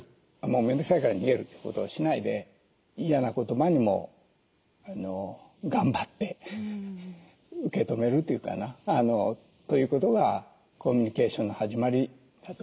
面倒くさいから逃げるってことをしないで嫌な言葉にも頑張って受け止めるというかな。ということがコミュニケーションの始まりだと思いますよね。